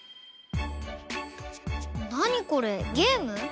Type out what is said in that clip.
なにこれゲーム？